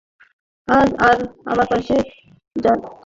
আর আমার পাশে থাকত ইযখির ও জালীল ঘাস।